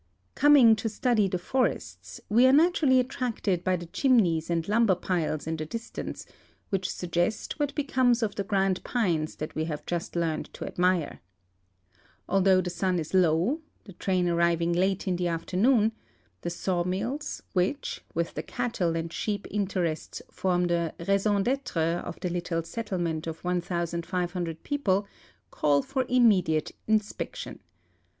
Coming to study the forests, we are naturall}'' attracted by the chimneys and lumber piles in the distance, which suggest what becomes of the grand pines that we have just learned to admire. Although the sun is low — the train arriving late in the after noon— the sawmills, which, with the cattle and sheep interests, form the raison d'etre of the little settlement of 1,500 people, call for immediate inspection.